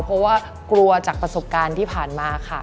เพราะว่ากลัวจากประสบการณ์ที่ผ่านมาค่ะ